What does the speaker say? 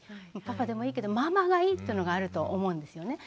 パパでもいいけどママがいい！っていうのがあるのと思うんですよね。